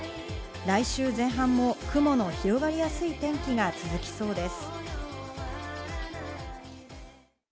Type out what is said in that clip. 来週前半も雲の広がりやすい天気が続きそうです。